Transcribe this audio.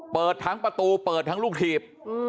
เปิดทั้งประตูเปิดทั้งลูกถีบ